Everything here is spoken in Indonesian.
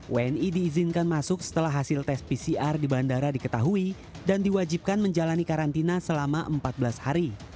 wni diizinkan masuk setelah hasil tes pcr di bandara diketahui dan diwajibkan menjalani karantina selama empat belas hari